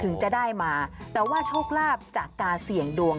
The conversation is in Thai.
ถึงจะได้มาแต่ว่าโชคลาภจากการเสี่ยงดวง